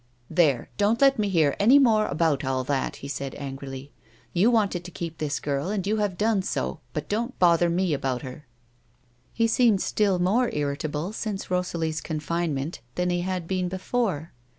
"There, don't let me hear any more about all that," he said, angrily. " Yon wanted to keep this girl, and you have done so, but don't bother me about her." He seemed still more irritable since Rosalie's confinement than he had been before.